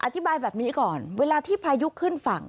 อธิบายแบบนี้ก่อนเวลาที่พายุขึ้นฝั่ง